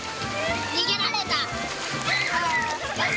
逃げられた。